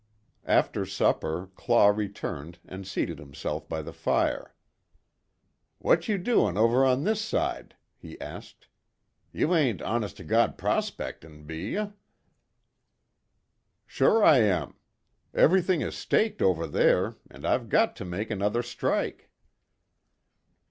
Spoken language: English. After supper Claw returned and seated himself by the fire: "What you doin' over on this side," he asked, "You hain't honest to God prospectin' be you?" "Sure I am. Everything is staked over there, and I've got to make another strike."